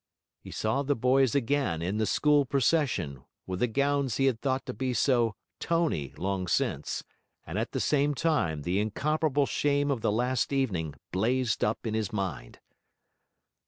he saw the boys again in the school procession, with the gowns he had thought to be so 'tony' long since... And at the same time the incomparable shame of the last evening blazed up in his mind.